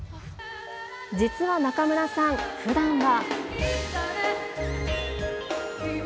実は中村さん、ふだんは。